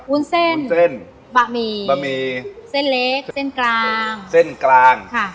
วุ้นเส้นวุ้นเส้นบะหมี่บะหมี่เส้นเล็กเส้นกลางเส้นกลางค่ะ